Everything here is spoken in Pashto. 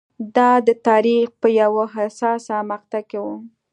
دا د تاریخ په یوه حساسه مقطعه کې و.